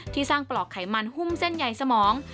สร้างปลอกไขมันหุ้มเส้นใหญ่สมอง